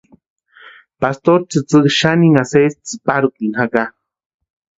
Pastori tsïtsï xaninha sési tsïparhutini jaka.